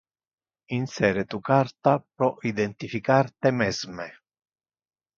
Insere tu carta pro identificar te mesme.